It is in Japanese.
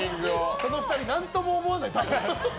その２人、何とも思わない。